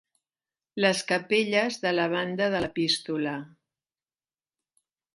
Les capelles de la banda de l'epístola.